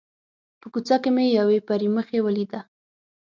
په کوڅه کې مې یوې پري مخې ولیده.